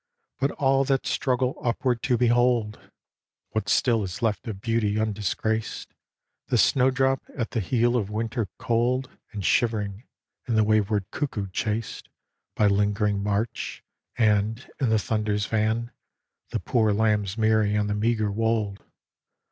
But all that struggle upward to behold A DREAM OF ARTEMIS 147 What still is left of Beauty undisgraced, The snowdrop at the heel of winter cold And shivering, and the wayward cuckoo chased By lingering March, and, in the thunder's van The poor lambs m'erry on the meagre wold.